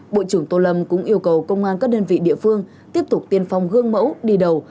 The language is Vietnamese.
bộ trưởng tô lâm cũng yêu cầu công an các đơn vị địa phương tiếp tục tiên phong gương mẫu đi đầu